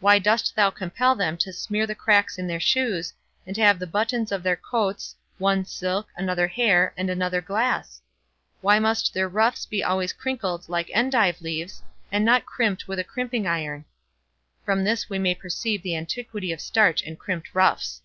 Why dost thou compel them to smear the cracks in their shoes, and to have the buttons of their coats, one silk, another hair, and another glass? Why must their ruffs be always crinkled like endive leaves, and not crimped with a crimping iron?" (From this we may perceive the antiquity of starch and crimped ruffs.)